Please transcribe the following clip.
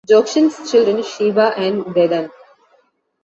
Jokshan's children Sheba and Dedan.